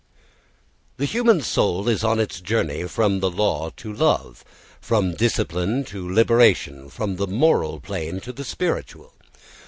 The human soul is on its journey from the law to love, from discipline to liberation, from the moral plane to the spiritual.